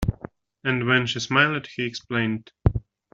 And when she smiled he explained.